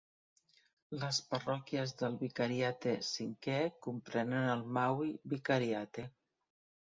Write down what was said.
Les parròquies del Vicariate V comprenen el Maui Vicariate.